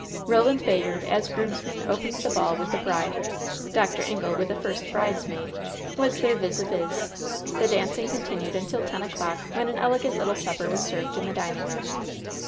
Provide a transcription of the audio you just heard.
Roland Bayard, as groomsman, opened the ball with the bride. Dr. Ingle, with the first bridesmaid, was their vis à vis. The dancing continued until ten o'clock, when an elegant little supper was served in the dining room.